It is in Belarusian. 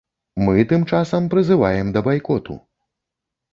Мы, тым часам, прызываем да байкоту.